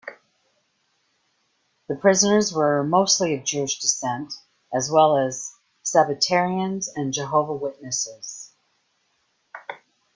The prisoners were mostly of Jewish descent, as well as Sabbatarians and Jehovah's Witnesses.